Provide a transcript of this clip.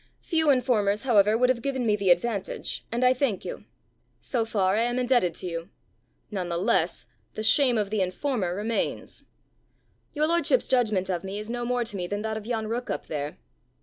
Few informers, however, would have given me the advantage, and I thank you: so far I am indebted to you. None the less the shame of the informer remains!" "Your lordship's judgment of me is no more to me than that of yon rook up there."